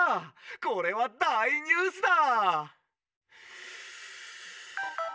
これはだいニュースだ！」。